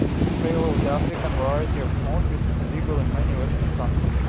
The sale of the African variety of smokies is illegal in many western countries.